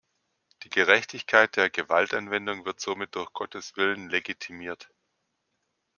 Die Gerechtigkeit der Gewaltanwendung wird somit durch Gottes Willen legitimiert.